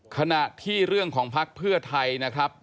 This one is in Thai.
ขณะที่เรื่องของภักดิ์เพื่อไทยนะครับ